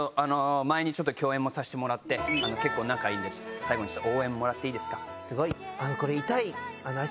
前に共演もさせてもらって結構仲いいんで応援もらっていいですか？